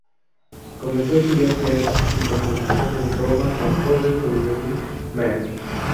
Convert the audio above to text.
Comenzó a estudiar piano y composición en Roma con Robert W. Mann.